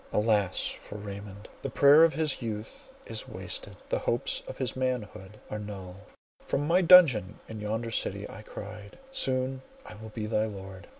Alas, for Raymond! the prayer of his youth is wasted—the hopes of his manhood are null! "From my dungeon in yonder city I cried, soon I will be thy lord!